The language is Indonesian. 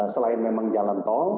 selain memang jalan tol